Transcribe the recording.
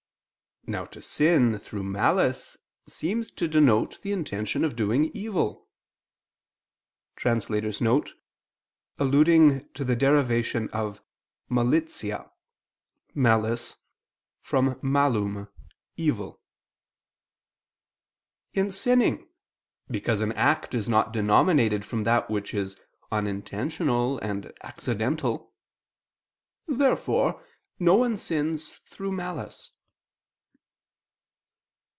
Now to sin through malice seems to denote the intention of doing evil [*Alluding to the derivation of malitia (malice) from malum (evil)] in sinning, because an act is not denominated from that which is unintentional and accidental. Therefore no one sins through malice.